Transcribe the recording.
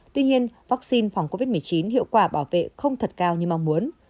tuy nhiên vaccine phòng covid một mươi chín hiệu quả bảo vệ không thật cao như mong muốn